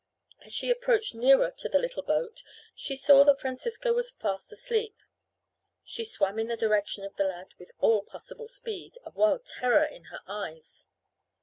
As she approached nearer to the little boat she saw that Francisco was fast asleep. She swam in the direction of the lad with all possible speed, a wild terror in her eyes.